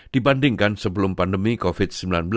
dibandingkan sebelum pandemi covid sembilan belas